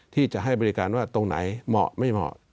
ที่จะให้บริการว่าตรงไหนเหมาะไม่เหมาะ